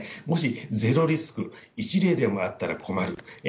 もし、ゼロリスク、１例でもあったら困る。